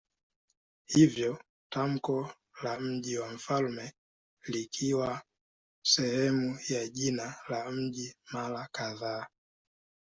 Hivyo tamko la "mji wa mfalme" likawa sehemu ya jina la mji mara kadhaa.